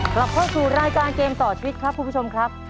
กลับเข้าสู่รายการเกมต่อชีวิตครับคุณผู้ชมครับ